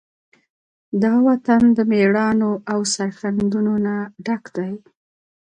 دا وطن د مېړانو، او سرښندنو نه ډک دی.